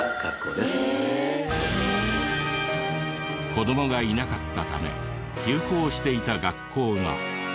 子どもがいなかったため休校していた学校が。